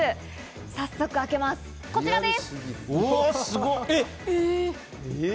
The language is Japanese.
早速開けます、こちらです。